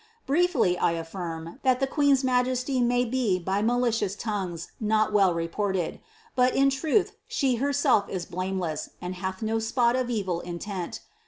Briefly, I affirm, that the queen's majesty may be by malicious tongues not well reported ; but in truth she her self is blameless, and hath no spot of evil intent.